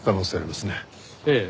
ええ。